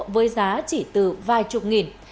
với giá chỉ từ vài chục nghìn